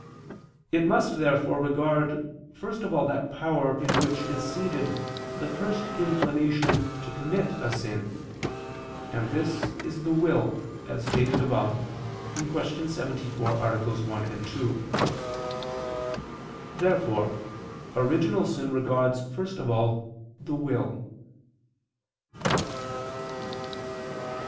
It must therefore regard first of all that power in which is seated the first inclination to commit a sin, and this is the will, as stated above (Q. 74, AA. 1, 2). Therefore original sin regards first of all the will.